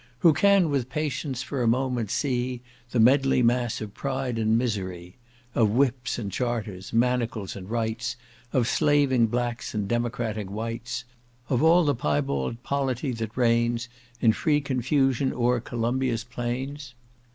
Who can, with patience, for a moment see The medley mass of pride and misery, Of whips and charters, manacles and rights, Of slaving blacks, and democratic whites, Of all the pyebald polity that reigns In free confusion o'er Columbia's plains?